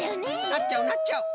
なっちゃうなっちゃう！